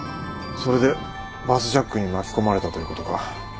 それでバスジャックに巻き込まれたということか。